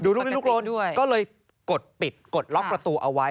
ดูลุกลี้ลุกลนก็เลยกดปิดกดล็อคประตูเอาไว้